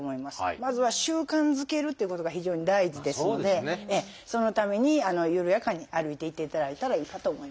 まずは習慣づけるっていうことが非常に大事ですのでそのために緩やかに歩いていっていただいたらいいかと思います。